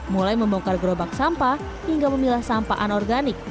mulai membongkar gerobak sampah hingga memilah sampah anorganik